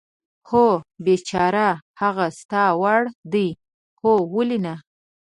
هو، بېچاره، هغه ستا وړ ده؟ هو، ولې نه.